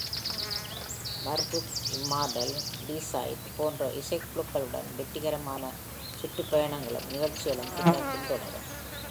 மர்துக், immortal, Teesside போன்ற இசைக்குழுக்களுடன் வெற்றிகரமான சுற்றுப்பயணங்களும் நிகழ்ச்சிகளும் பின்னர் பின்தொடரும்.